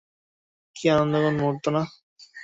কী আনন্দঘন মুহূর্ত না?